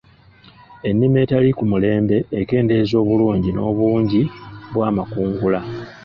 Ennima etali ku mulembe ekendeeza obulungi n'obungi bw'amakungula.